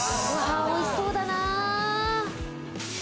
おいしそうだな。